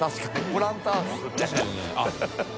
プランター。